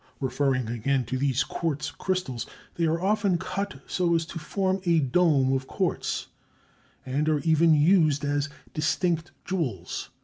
Referring again to these quartz crystals, they are often cut so as to form a dome of quartz and are even used as distinct jewels.